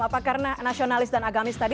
apa karena nasionalis dan agamis tadi